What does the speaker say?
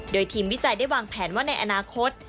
โดยทีมวิจัยได้วางแผนว่าในอนาคต